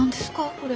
これ。